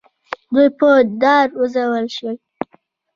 دوی په دار وځړول شول.